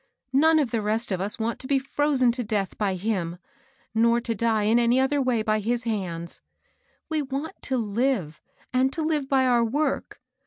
None of the rest of us want to be firozen to death by him, nor to die in any other way by his hands. We want to Uve^ and to live by our work.